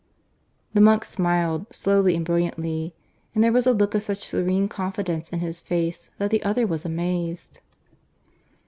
The monk smiled, slowly and brilliantly, and there was a look of such serene confidence in his face that the other was amazed.